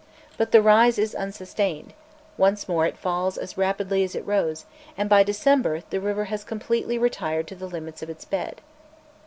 But the rise is unsustained; once more it falls as rapidly as it rose, and by December the river has completely retired to the limits of its bed.